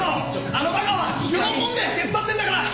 あのバカは喜んで手伝ってるんだから。